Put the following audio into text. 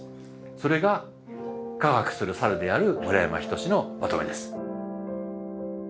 それが「科学する猿」である村山斉のまとめです。